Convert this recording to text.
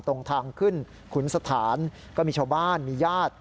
ตรงทางขึ้นขุนสถานก็มีชาวบ้านมีญาติ